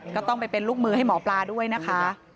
ก็ต้องไปเป็นลูกมือให้หมอปลาด้วยนะคะ